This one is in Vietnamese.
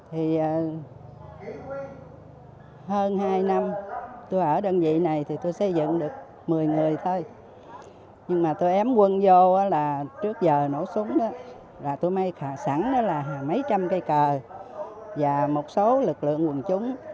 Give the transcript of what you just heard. thì hơn hai năm tôi ở đơn vị này thì tôi xây dựng được một mươi người thôi nhưng mà tôi ém quân vô là trước giờ nổ súng tôi may sẵn đó là mấy trăm cây cờ và một số lực lượng quần chúng